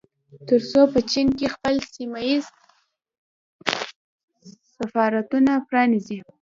ترڅو په چين کې خپل سيمه ييز سفارتونه پرانيزي